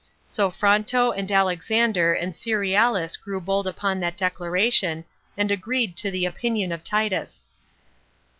So Fronto, and Alexander, and Cerealis grew bold upon that declaration, and agreed to the opinion of Titus.